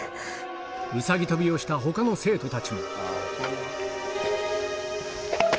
うさぎ跳びをしたほかの生徒たちも。